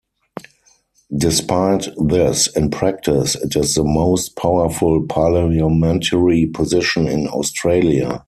Despite this, in practice it is the most powerful parliamentary position in Australia.